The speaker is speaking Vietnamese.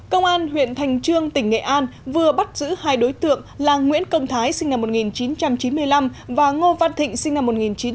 công an huyện thành trương tỉnh nghệ an vừa bắt giữ hai đối tượng là nguyễn công thái sinh năm một nghìn chín trăm chín mươi năm và ngô văn thịnh sinh năm một nghìn chín trăm tám mươi